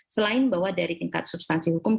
selain bahwa dari tingkat substansi hukum